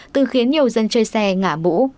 từ khiến nhiều dân chơi xe ngả mũ